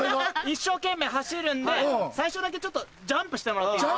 一生懸命走るんで最初だけちょっとジャンプしてもらっていい？